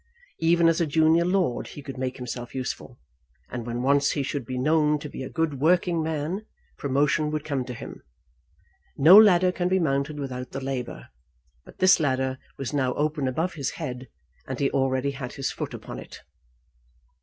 Even as a junior lord he could make himself useful, and when once he should be known to be a good working man, promotion would come to him. No ladder can be mounted without labour; but this ladder was now open above his head, and he already had his foot upon it.